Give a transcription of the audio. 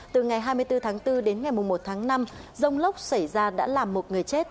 từ ngày hai mươi bốn tháng bốn đến ngày một tháng năm rông lốc xảy ra đã làm một người chết